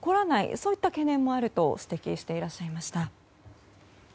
そういった懸念もあると指摘していらっしゃいました。